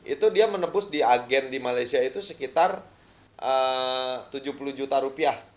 itu dia menembus di agen di malaysia itu sekitar rp tujuh puluh juta